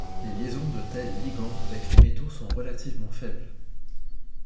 Les liaisons de tels ligands avec les métaux sont relativement faibles.